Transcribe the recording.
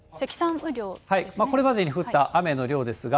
これまでに降った雨の量ですが。